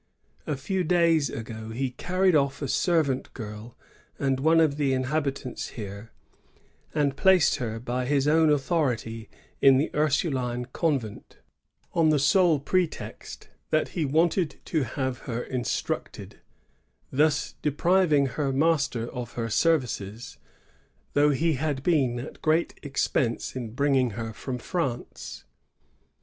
A few days ago he carried off a servant g^l of one of the inhabitants here, and placed her by his own authority in tiie Ursuline convent, on the sole pretext that he wanted to have her instructed, — thus depriving her master of her services, though he had been at great expense in bringing her from France.